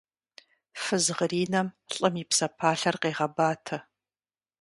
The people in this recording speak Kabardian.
Фыз гъринэм лӀым и псэпалъэр къегъэбатэ.